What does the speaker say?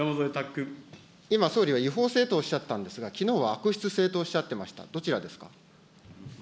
今、総理は違法性とおっしゃったんですが、きのうは悪質性とおっしゃってました。